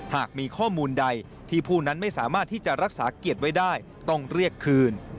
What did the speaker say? หากมีข้อมูลใดที่ผู้นั้นไม่สามารถที่จะรักษาเกียรติไว้ได้ต้องเรียกคืน